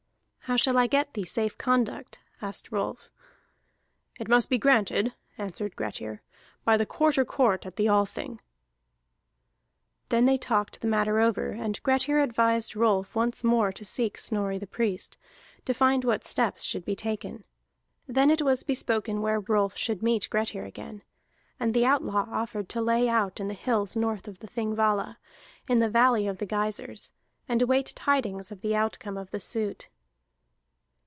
"How shall I get thee safe conduct?" asked Rolf. "It must be granted," answered Grettir, "by the Quarter Court at the Althing." Then they talked the matter over, and Grettir advised Rolf once more to seek Snorri the Priest, to find what steps should be taken. Then it was bespoken where Rolf should meet Grettir again, and the outlaw offered to lay out in the hills north of the Thingvalla, in the valley of the geysirs, and await tidings of the outcome of the suit.